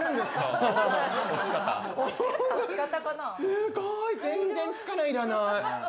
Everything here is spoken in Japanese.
すごい全然力いらない。